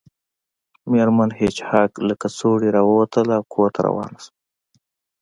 میرمن هیج هاګ له کڅوړې راووتله او کور ته روانه شوه